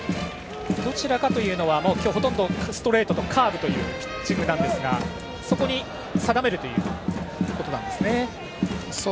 どちらかというのは今日はほとんどストレートとカーブというピッチングなんですが、そこに定めるということなんですね。